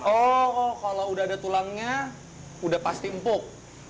oh kalau udah ada tulangnya udah pasti empuk